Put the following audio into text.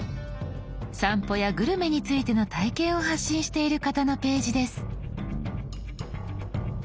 散歩やグルメについての体験を発信している方のページです。